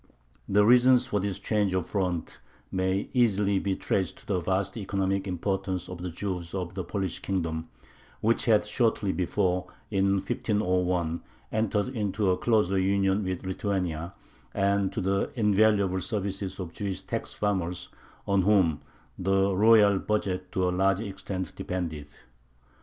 The reasons for this change of front may easily be traced to the vast economic importance of the Jews of the Polish Kingdom, which had shortly before, in 1501, entered into a closer union with Lithuania, and to the invaluable services of the Jewish tax farmers, on whom the royal budget to a large extent depended.